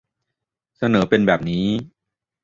เสนอเป็นแบบนี้